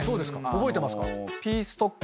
覚えてますか？